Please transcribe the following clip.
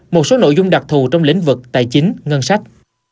một số nội dung đặc thù trong lĩnh vực tài chính ngân sách